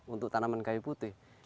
untuk tanaman kayu putih